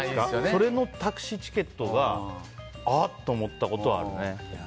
そのタクシーチケットがああと思ったことはあるね。